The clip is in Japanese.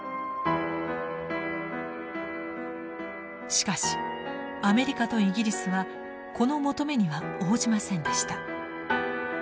しかしアメリカとイギリスはこの求めには応じませんでした。